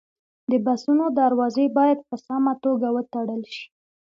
د بسونو دروازې باید په سمه توګه وتړل شي.